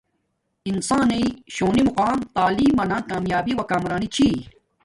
انسان نݵݵ شونی مقام تعیلم مانا کامیابی و کامرانی چھی